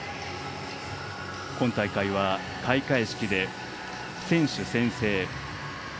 今大会は開会式で選手宣誓。